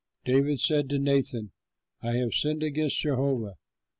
'" David said to Nathan, "I have sinned against Jehovah!"